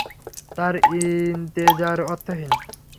তার ইন্তেজার অর্থহীন।